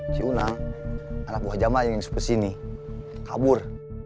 si unang anak buah jama yang seperti ini kabur